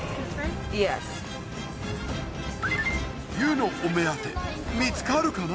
ＹＯＵのお目当て見つかるかな？